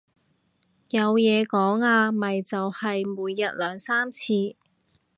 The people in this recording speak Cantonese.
有講嘢啊，咪就係每日兩三次